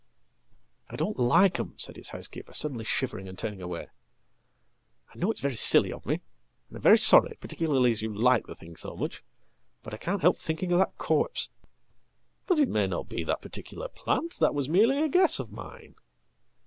""I don't like 'em," said his housekeeper, suddenly shivering and turningaway. "I know it's very silly of me and I'm very sorry, particularly asyou like the thing so much. But I can't help thinking of that corpse.""But it may not be that particular plant. That was merely a guess ofmine."